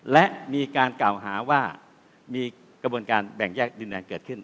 และมีการกล่าวหาว่ามีกระบวนการแบ่งแยกดินแดงเกิดขึ้น